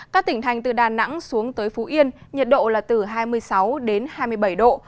các tỉnh thành từ đà nẵng xuống tới phú yên nhiệt độ là từ hai mươi sáu đến hai mươi bảy độ